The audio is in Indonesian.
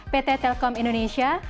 pt telkom indonesia